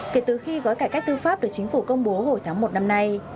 kể từ khi gói cải cách tư pháp được chính phủ công bố hồi tháng một năm nay